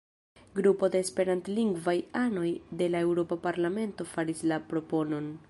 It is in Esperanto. Grupo de esperantlingvaj anoj de la eŭropa parlamento faris la proponon.